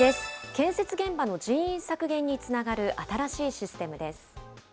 建設現場の人員削減につながる新しいシステムです。